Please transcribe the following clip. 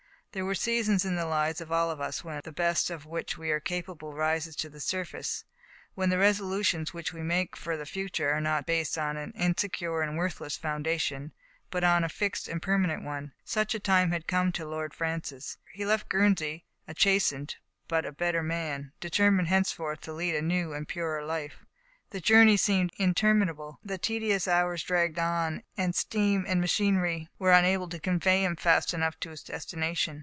There are seasons in the lives of all of us when the best of which we are capable rises to the sur face — when the resolutions which we make for the future are not based on an insecure and worthless foundation, but on a fixed and per manent one. Such a time had come to Lord Francis. He left Guernsey a chastened, but a better man,* determined henceforth to lead a new and purer life. The journey seemed interminable. The tedious hours dragged on, and steam and machinery were unable to convey him fast enough to his destination.